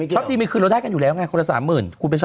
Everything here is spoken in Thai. ดีมีคืนเราได้กันอยู่แล้วไงคนละ๓๐๐๐